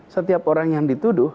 setiap orang yang dituduh